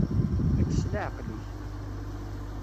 Ečč s leεqel-ik.